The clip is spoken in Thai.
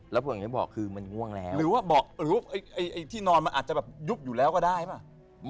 แล้วผมอย่างที่บอกคือมันง่วงแล้วหรือว่าเบาะหรือไอ้ที่นอนมันอาจจะแบบยุบอยู่แล้วก็ได้ป่ะ